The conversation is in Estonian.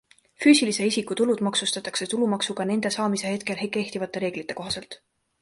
Füüsilise isiku tulud maksustatakse tulumaksuga nende saamise hetkel kehtivate reeglite kohaselt.